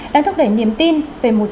đang thúc đẩy niềm tin về một